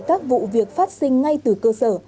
các vụ việc phát sinh ngay từ cơ sở